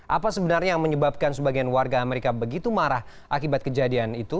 apa sebenarnya yang menyebabkan sebagian warga amerika begitu marah akibat kejadian itu